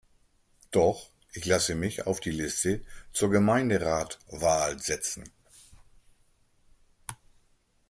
Doch, ich lasse mich auf die Liste zur Gemeinderatwahl setzen.